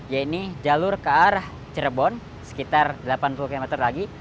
yaitu jalur ke arah cirebon sekitar delapan puluh km lagi